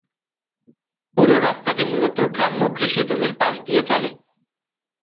পুরো রাস্তাটি মুলত গ্রাম্য কৃষি জমির পাশ দিয়ে চলে।